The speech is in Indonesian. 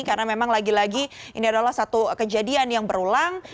karena memang lagi lagi ini adalah satu kejadian yang berulang